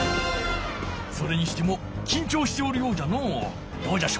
それにしてもきんちょうしておるようじゃのう。